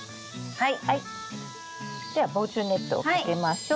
はい。